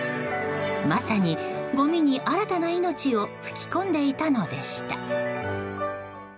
まさに、ごみに新たな命を吹き込んでいたのでした。